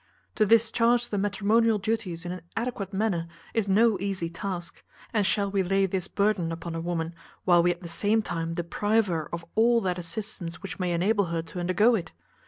To discharge the matrimonial duties in an adequate manner is no easy task; and shall we lay this burthen upon a woman, while we at the same time deprive her of all that assistance which may enable her to undergo it?